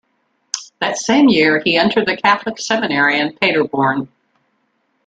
That same year, he entered the Catholic seminary in Paderborn.